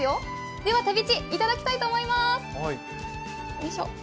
では、てびち、いただきたいと思います。